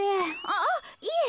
あっいえ